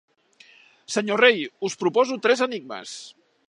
Senyor rei, us proposo tres enigmes.